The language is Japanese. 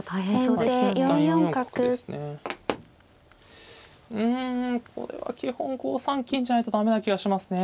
うんこれは基本５三金じゃないと駄目な気がしますね。